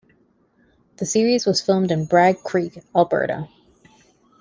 The series was filmed in Bragg Creek, Alberta.